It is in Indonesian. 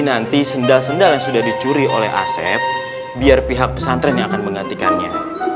nanti sendal sendal yang sudah dicuri oleh asep biar pihak pesantren yang akan menggantikannya